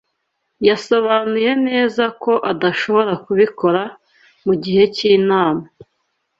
Yasobanuye neza ko adashobora kubikora mu gihe cy’inama.